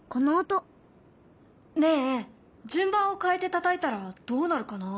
ねえ順番を変えてたたいたらどうなるかな？